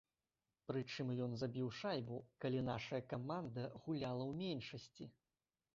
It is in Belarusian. Прычым ён забіў шайбу, калі нашая каманда гуляла ў меншасці.